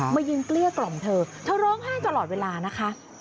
มายืนเกลี้ยกล่อมเธอเธอร้องไห้ตลอดเวลานะคะ